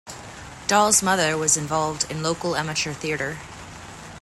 Dahl's mother was involved in local amateur theatre.